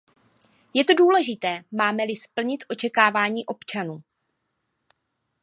Je to důležité, máme-li splnit očekávání občanů.